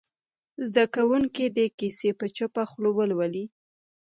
زده کوونکي دې کیسه په چوپه خوله ولولي.